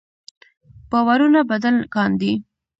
باورونه بدل کاندي.